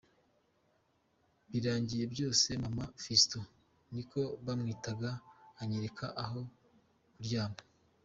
Birangiye byose Maman Fiston niko bamwitaga anyereka aho kuryama.